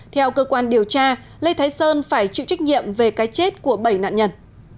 theo cơ quan điều tra lê thái sơn phải chịu trách nhiệm về cái chết của bảy nạn nhân